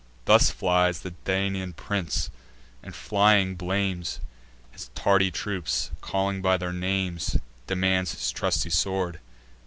Thus flies the Daunian prince, and, flying, blames His tardy troops, and, calling by their names, Demands his trusty sword.